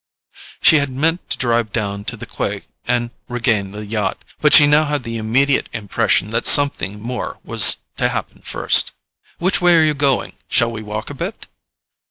She had meant to drive down to the quay and regain the yacht; but she now had the immediate impression that something more was to happen first. "Which way are you going? Shall we walk a bit?"